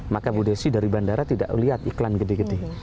maka bu desi dari bandara tidak lihat iklan gede gede